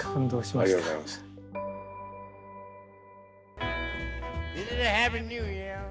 ありがとうございます。